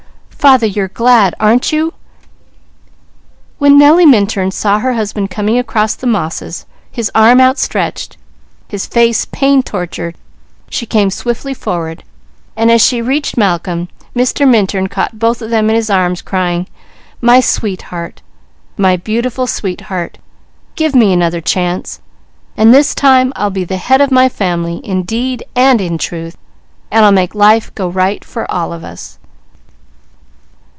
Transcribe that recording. Father, you're glad, aren't you?" When Nellie Minturn saw her husband coming across the mosses, his arms outstretched, his face pain tortured, she came swiftly forward, and as she reached Malcolm, Mr. Minturn caught both of them in his arms crying: "My sweetheart! My beautiful sweetheart, give me another chance, and this time I'll be the head of my family in deed and in truth, and I'll make life go right for all of us."